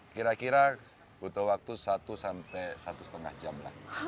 kira kira butuh waktu satu sampai satu lima jam lah